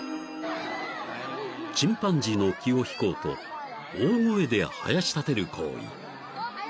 ［チンパンジーの気を引こうと大声ではやし立てる行為］